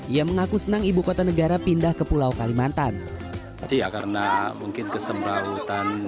ia mengaku senang ibukota negara pindah ke pulau kalimantan iya karena mungkin kesembrah hutan